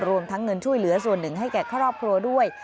รวมทั้งเงินช่วยเหลือส่วนหนึ่งให้แก่ครอบครัวด้วย